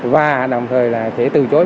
và đồng thời là sẽ từ chối